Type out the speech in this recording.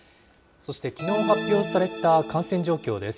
そして、きのう発表された感染状況です。